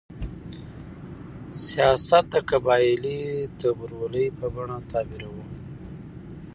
سیاست د قبایلي تربورولۍ په بڼه تعبیروو.